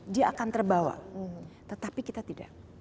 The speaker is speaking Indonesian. dia akan terbawa tetapi kita tidak